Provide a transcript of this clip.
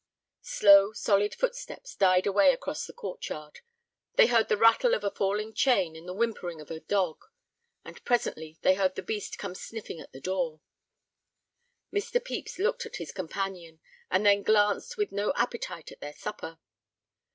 Slow, solid footsteps died away across the court yard. They heard the rattle of a falling chain and the whimpering of a dog. And presently they heard the beast come sniffing at the door. Mr. Pepys looked at his companion, and then glanced with no appetite at their supper.